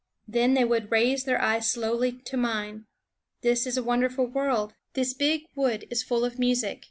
f.< Then they would raise their eyes slowly to mine. " This is a won derful world. This big wood is full of music.